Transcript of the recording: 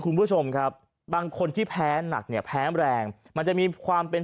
คุณผู้ชมครับบางคนที่แพ้หนักเนี่ยแพ้แรงมันจะมีความเป็น